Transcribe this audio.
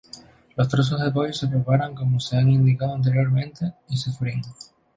Los trozos de pollo se preparan como se ha indicado anteriormente, y se fríen.